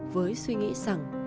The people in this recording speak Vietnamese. với suy nghĩ rằng